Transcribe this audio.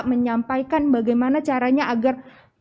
menyampaikan bagaimana caranya agar